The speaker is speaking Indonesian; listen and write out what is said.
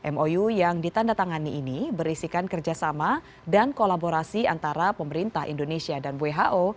mou yang ditandatangani ini berisikan kerjasama dan kolaborasi antara pemerintah indonesia dan who